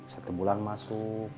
satu bulan masuk